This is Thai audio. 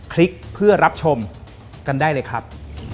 คลิกเพื่อรับชมกันได้เลยครับ